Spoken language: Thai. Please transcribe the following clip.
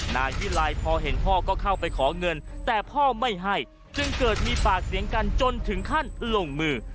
นายวิลัยพอเห็นพ่อก็เข้าไปขอเงินแต่พ่อไม่ให้จึงเกิดมีปากเสียงกันจนถึงขั้นลงมือ